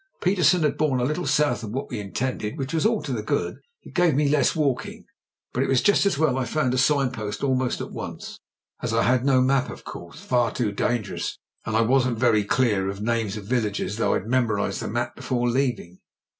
Petersen had borne a little south of what we intended, which was all to the good — it gave me less walking; but it was just as well I found a sign post almost at once, as I had no map, of course — far too dangerous; and I wasn't very clear on names of villages, though I'd 146 MEN, WOMEN AND GUNS memorized the map before leaving.